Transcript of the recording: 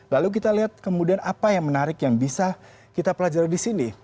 lalu kita lihat kemudian apa yang menarik yang bisa kita pelajari di sini